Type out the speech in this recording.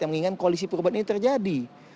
yang mengingat koalisi perubahan ini terjadi